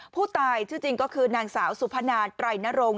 ผู้ตายชื่อจริงก็คือนางสาวสุพนาไตรนรงค